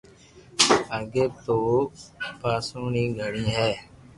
اگي تو پآݾونئي گھڙي ھي